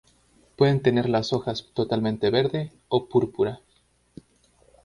Pueden tener las hojas totalmente verde o púrpura.